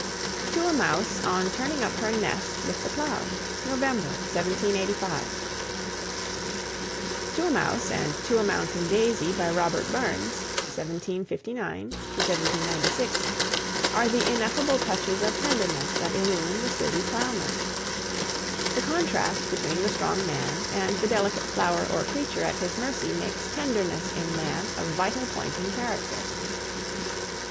TO A MOUSE, ON TURNING UP HER NEST WITH THE PLOW, NOVEMBER, 1785 "To a Mouse" and "To a Mountain Daisy," by Robert Burns (1759 96), are the ineffable touches of tenderness that illumine the sturdy plowman. The contrast between the strong man and the delicate flower or creature at his mercy makes tenderness in man a vital point in character.